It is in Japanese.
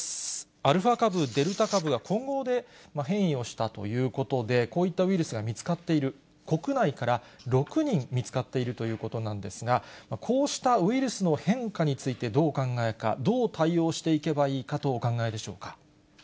アルファ株、デルタ株が混合で変異をしたということで、こういったウイルスが見つかっている、国内から６人見つかっているということなんですが、こうしたウイルスの変化について、どうお考えか、どう対応していけばいいかとお考えでしょうか。